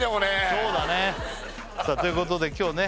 そうだねさあということで今日ね